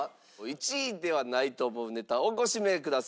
１位ではないと思うネタをご指名ください。